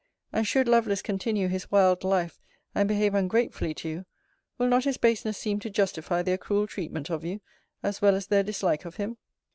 And should Lovelace continue his wild life, and behave ungratefully to you, will not his baseness seem to justify their cruel treatment of you, as well as their dislike of him?